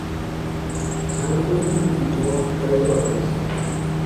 چھاں بچُوگ تھی باد پیدا ہیش